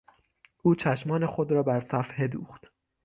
او چشمان خود را بر صفحه دوخت.